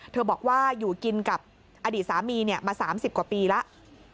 บอกว่าอยู่กินกับอดีตสามีมา๓๐กว่าปีแล้ว